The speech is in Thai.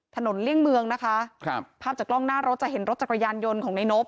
เลี่ยงเมืองนะคะครับภาพจากกล้องหน้ารถจะเห็นรถจักรยานยนต์ของในนบ